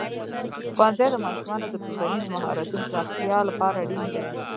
ښوونځی د ماشومانو د ټولنیزو مهارتونو پراختیا لپاره اړین دی.